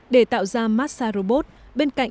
để tạo ra massage robot bên cạnh